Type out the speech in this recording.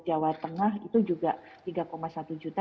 jawa tengah itu juga tiga satu juta